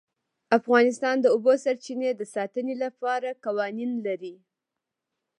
افغانستان د د اوبو سرچینې د ساتنې لپاره قوانین لري.